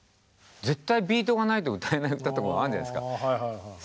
絶対ビートがないと歌えない歌とかもあるじゃないですか。